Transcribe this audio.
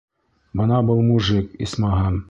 Бына был мужик, исмаһам!